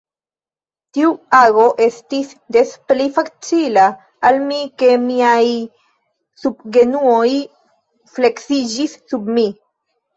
Tiu ago estis des pli facila al mi, ke miaj subgenuoj fleksiĝis sub mi.